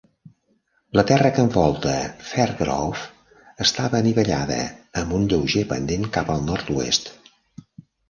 La terra que envolta Fairgrove estava anivellada, amb un lleuger pendent cap al nord-oest.